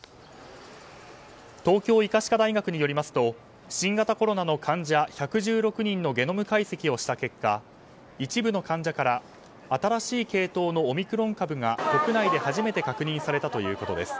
東京医科歯科大学によりますと新型コロナの患者１１６人のゲノム解析をした結果一部の患者から新しい系統のオミクロン株が国内で初めて確認されたということです。